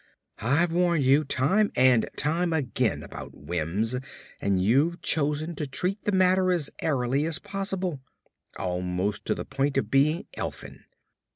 I've warned you time and again about Wims and you've chosen to treat the matter as airily as possible almost to the point of being elfin.